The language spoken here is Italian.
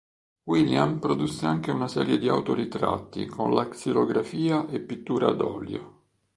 William produsse anche una serie di autoritratti con la xilografia e pittura ad olio.